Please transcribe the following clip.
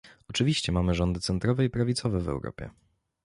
Oczywiście mamy rządy centrowe i prawicowe w Europie